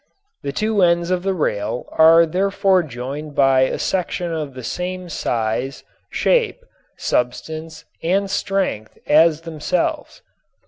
The two ends of the rail are therefore joined by a section of the same size, shape, substance and strength as themselves.